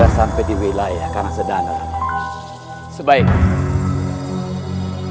papan panan di kelantasan sejuru jurur keuang